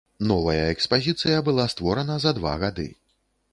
Новая экспазіцыя была створана за два гады.